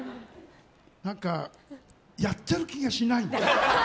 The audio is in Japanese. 何か、やってる気がしない。